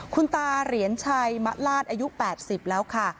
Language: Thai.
คุณตาเหรียญชัยมะลาดอายุ๘๐แล้วค่ะ